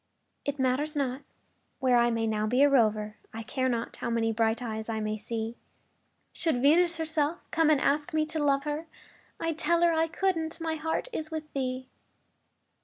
It matters not where I may now be a rover, I care not how many bright eyes I may see; Should Venus herself come and ask me to love her, I'd tell her I couldn't my heart is with thee.